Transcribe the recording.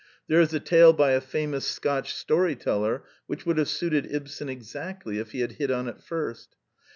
There is a tale by a famous Scotch story teller which would have suited Ibsen ex actly if he had hit on it first.